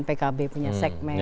pkb punya segmen